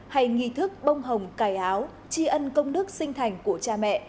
hay nghi thức bông hồng cài áo tri ân công đức sinh thành của cha mẹ